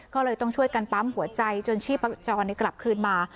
ก็เลยต้องช่วยกันปั๊มหัวใจจนชีพจรกลับคืนมา